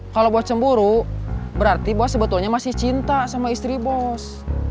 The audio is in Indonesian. kalau buat cemburu berarti bos sebetulnya masih cinta sama istri bos